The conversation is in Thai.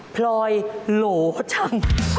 พลอยโหลจัง